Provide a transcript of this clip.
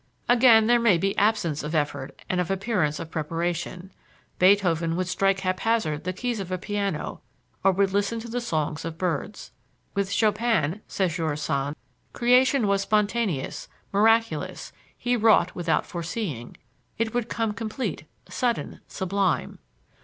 Again, there may be absence of effort and of appearance of preparation. Beethoven would strike haphazard the keys of a piano or would listen to the songs of birds. "With Chopin," says George Sand, "creation was spontaneous, miraculous; he wrought without foreseeing. It would come complete, sudden, sublime."